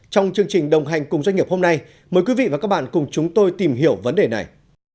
trong chương trình đồng hành cùng doanh nghiệp hôm nay mời quý vị và các bạn cùng chúng tôi tìm hiểu vấn đề này